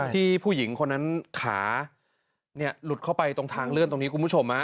ผู้หญิงคนนั้นขาหลุดเข้าไปตรงทางเลื่อนตรงนี้คุณผู้ชม